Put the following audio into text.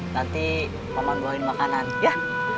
nanti paman doain makanan ya